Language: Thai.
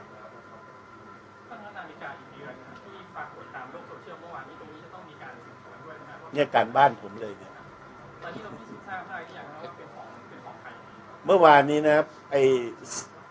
อีกเดือนที่ปรากฏตามโรคโทรเชื่อมเมื่อวานนี้ตรงนี้จะต้องมีการสินสมุนด้วยนะครับเนี่ยการบ้านผมเลยนะครับ